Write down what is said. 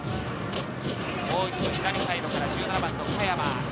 もう一度、左サイドから１７番の香山。